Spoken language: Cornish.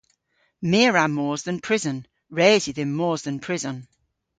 My a wra mos dhe'n prison. Res yw dhymm mos dhe'n prison.